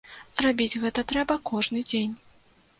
Рабіць гэта трэба кожны дзень.